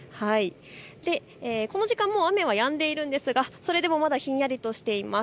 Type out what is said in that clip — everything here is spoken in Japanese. この時間、雨はやんでいるんですがそれでもまだひんやりとしています。